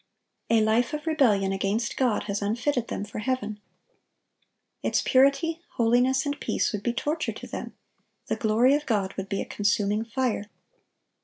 A life of rebellion against God has unfitted them for heaven. Its purity, holiness, and peace would be torture to them; the glory of God would be a consuming fire.